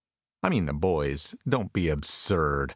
(I mean the boys, don't be absurd!